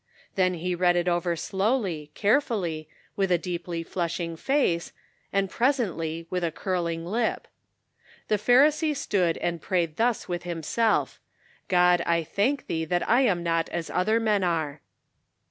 Then he read it over slowly, carefully, with a deeply flushing face, and presently, with a curling lip :" The Pharisee stood and prayed thus with himself :* God, I thank thee that I am not as other men are.'